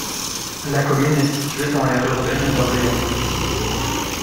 La commune est située dans l'aire urbaine d'Orléans.